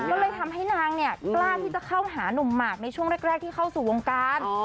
ก็เลยทำให้นางเนี่ยกล้าที่จะเข้าหานุ่มหมากในช่วงแรกที่เข้าสู่วงการ